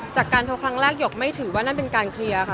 จากการโทรครั้งแรกหยกไม่ถือว่านั่นเป็นการเคลียร์ค่ะ